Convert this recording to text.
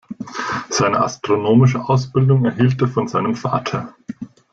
Seine astronomische Ausbildung erhielt er von seinem Vater.